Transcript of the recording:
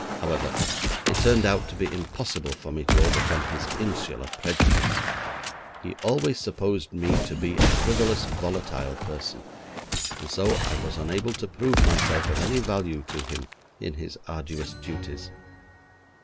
However, it turned out to be impossible for me to overcome his insular prejudice. He always supposed me to be a frivolous, volatile person, and so I was unable to prove myself of any value to him in his arduous duties.